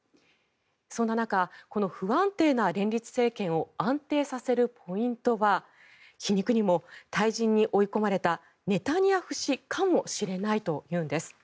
そんな中この不安定な連立政権を安定させるポイントは皮肉にも退陣に追い込まれたネタニヤフ氏かもしれないというんです。